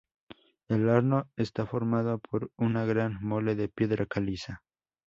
El Arno está formado por una gran mole de piedra caliza.